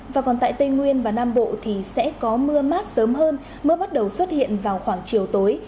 và còn tại tây nguyên và nam bộ thì sẽ có mưa mát sớm hơn mưa bắt đầu xuất hiện vào khoảng chiều tối